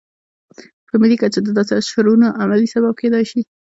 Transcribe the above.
په ملي کچه د داسې اشرونو عملي سبب کېدای شي.